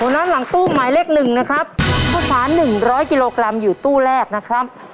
นัสหลังตู้หมายเลขหนึ่งนะครับข้าวสาร๑๐๐กิโลกรัมอยู่ตู้แรกนะครับ